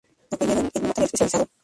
Apoyada en un material especializado.